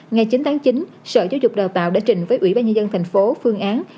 ngày chín tháng chín sở giáo dục đào tạo đã trình với ủy ban nhân dân thành phố phương án